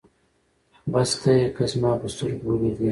بس ته يې که زما په سترګو وليدې